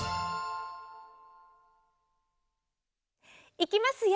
いきますよ。